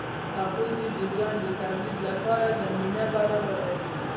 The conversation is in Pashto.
هغوی د ډیزاین د تولید لپاره زمینه برابروي.